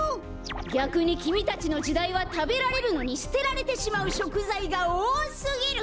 ぎゃくにきみたちのじだいはたべられるのにすてられてしまうしょくざいがおおすぎる！